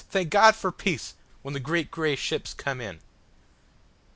Thank God for peace, when the great gray ships come in!